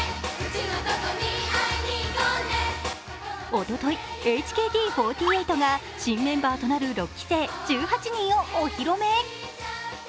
おととい、ＨＫＴ４８が新メンバーとなる６期生１８人をお披露目。